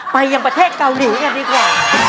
ยังประเทศเกาหลีกันดีกว่า